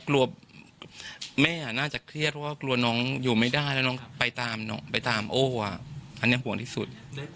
แล้วน้องไปตามอู๋อันนี้ห่วงที่สุด